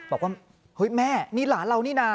บอกว่าเฮ้ยแม่นี่หลานเรานี่นะ